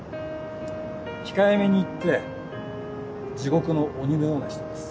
控えめに言って地獄の鬼のような人です。